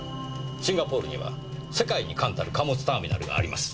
シンガポールには世界に冠たる貨物ターミナルがあります。